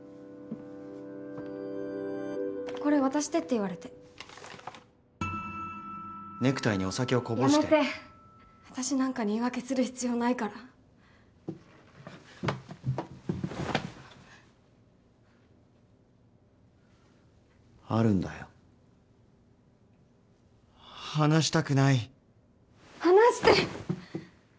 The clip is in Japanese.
これ渡してって言われてネクタイにお酒をこぼしてや私なんかに言い訳する必要ないからあるんだよ放して！